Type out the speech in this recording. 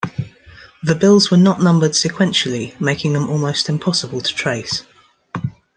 The bills were not numbered sequentially, making them almost impossible to trace.